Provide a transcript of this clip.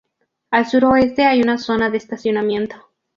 Al suroeste hay una zona de estacionamiento.